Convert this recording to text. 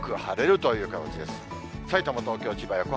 さいたま、東京、千葉、横浜。